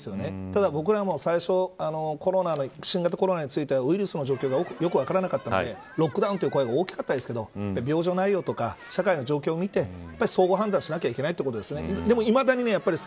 ただ僕らも最初コロナの新型コロナについてはウイルスの状況がよく分からなかったのでロックダウンという声が大きかったですけど病状の内容や社会の状況を見て総合判断が必要ってことです。